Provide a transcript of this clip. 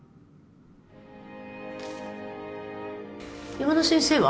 山田先生は？